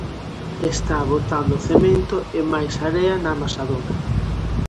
Está botando o cemento e mais a area na amasadora.